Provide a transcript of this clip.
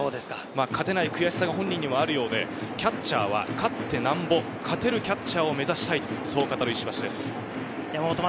勝てない悔しさが本人にはあるようで、キャッチャーは勝ってなんぼ、勝てるキャッチャーを目指したいと語る石橋です。